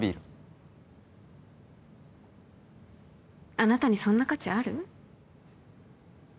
あなたにそんな価値ある？